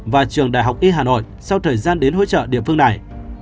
và trường đại học y hà nội sau thời gian đến hỗ trợ địa phương này